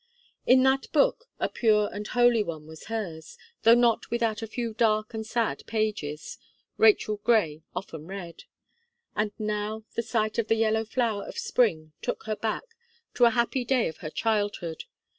In that Book a pure and holy one was hers though not without a few dark and sad pages Rachel Gray often read. And now, the sight of the yellow flower of spring took her back, to a happy day of her childhood.